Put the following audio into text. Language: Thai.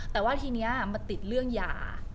แต่ทีนี้มาติดเรื่องหยา